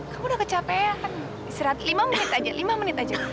kamu udah kecapean istirahat lima menit aja lima menit aja